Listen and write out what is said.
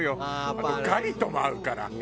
あとガリとも合うから。